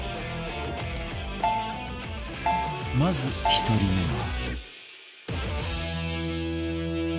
まず１人目は